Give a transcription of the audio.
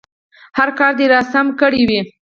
هر کار دې راسم کړی وي.